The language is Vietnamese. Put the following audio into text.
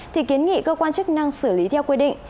thì kiến nghị cơ quan chức năng xử lý theo quy định